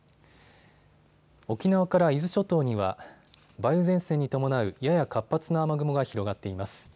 沖縄から伊豆諸島には梅雨前線に伴うやや活発な雨雲が広がっています。